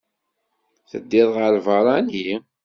Teddiḍ ɣer lbeṛṛani?